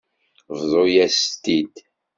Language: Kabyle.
Bḍu-yas-t-id.